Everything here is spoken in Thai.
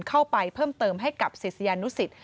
เข้าไปเพิ่มเติมให้กับเสียเสียงโนสิต